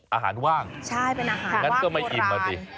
อาหารว่างใช่เป็นอาหารว่างโบราณงั้นก็ไม่อิ่มอะสิ